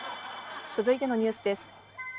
続いてのニュースです。